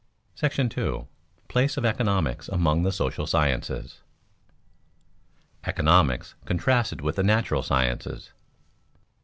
§ II. PLACE OF ECONOMICS AMONG THE SOCIAL SCIENCES [Sidenote: Economics contrasted with the natural sciences] 1.